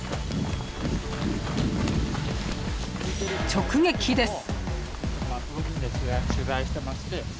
［直撃です］